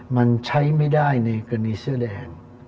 มันใช้ไม่ได้ในกรณีเสื้อแดง